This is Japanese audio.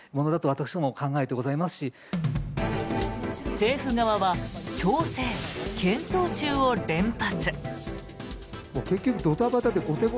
政府側は調整、検討中を連発。